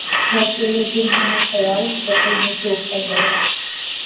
گر تیرے دل میں ہو خیال‘ وصل میں شوق کا زوال؟